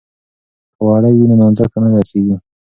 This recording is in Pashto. که وړۍ وي نو نانځکه نه لڅیږي.